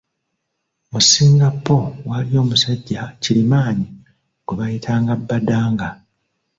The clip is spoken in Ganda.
Mu Singapo waaliyo omusajja kirimaanyi gwe baayitanga Badanga.